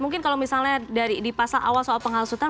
mungkin kalau misalnya di pasal awal soal penghasutan